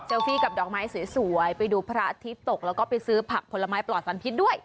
เซลฟี่ดอกไม้สวยประและดูพระอาทิตย์ตกแล้วก็ไปซื้อผละพลไม้ปลอดศัลพิธจ์ด้วย